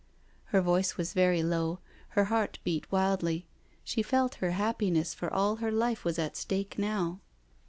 Her voice was very low — her heart beat wildly. She felt her happiness for all her life was at stake now.